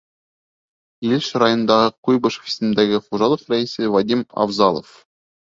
Илеш районындағы Куйбышев исемендәге хужалыҡ рәйесе Вадим АФЗАЛОВ: